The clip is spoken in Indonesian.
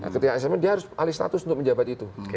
ketika assemen dia harus alih status untuk menjabat itu